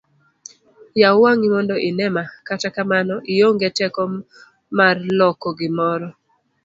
yaw wang'i mondo ine ma, kata kamano ionge teko marlokogimoro